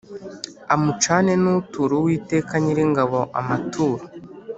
amucane n’utura Uwiteka Nyiringabo amaturo.